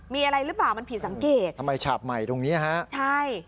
มีอะไรหรือเปล่ามันผิดสังเกตทำไมฉาบใหม่ตรงนี้ฮะใช่